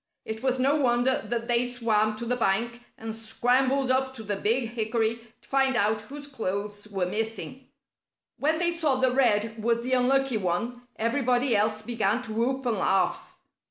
It was no wonder that they swam to the bank and scrambled up to the big hickory to find out whose clothes were missing. When they saw that Red was the unlucky one, everybody else began to whoop and laugh.